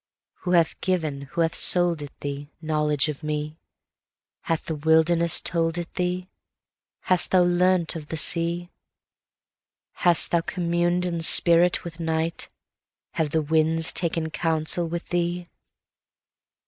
Who hath given, who hath sold it thee, Knowledge of me? Hath the wilderness told it thee? Hast thou learnt of the sea? Hast thou commun'd in spirit with night? have the winds taken counsel with thee?